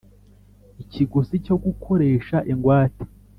Ikiguzi cyo gukoresha ingwate